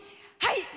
はい！